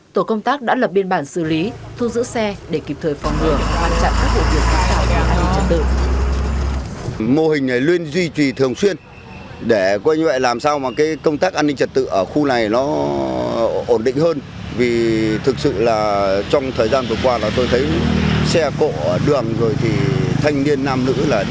tổ công tác đã lập biên bản xử lý thu giữ xe để kịp thời phòng ngừa hoàn chặn các vụ việc xảy ra về an ninh trật tự